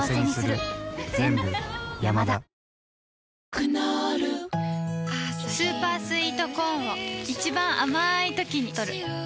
クノールスーパースイートコーンを一番あまいときにとる